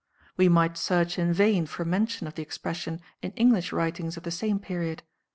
We might search in vain for mention of the expression in English writings of the same period.